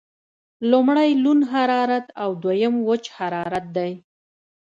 لمړی لوند حرارت او دویم وچ حرارت دی.